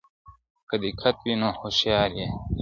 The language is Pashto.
که دقت وي نو هوښیار یې.